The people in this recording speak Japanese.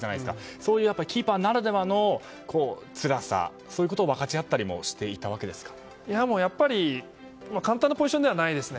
そういうキーパーならではのつらさそういうことを分かち合ったりもやっぱり、簡単なポジションではないですね。